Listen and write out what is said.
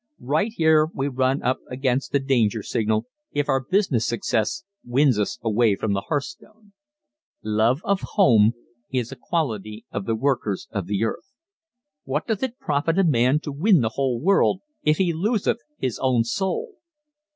Right here we run up against the danger signal if our business success wins us away from the hearthstone. Love of home is a quality of the workers of the earth. "What doth it profit a man to win the whole world if he loseth his own soul?"